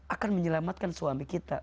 akan menyelamatkan suami kita